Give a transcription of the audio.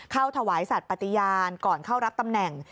เข้าถวายศาสตร์ปฏิญาณก่อนเข้ารับตำแหน่ง